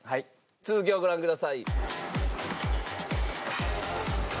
続きをご覧ください。